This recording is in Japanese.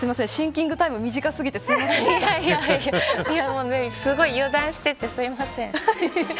シンキングタイム短すぎてすごい油断しててすいません。